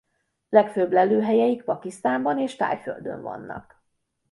Legfőbb lelőhelyeik Pakisztánban és Thaiföldön vannak.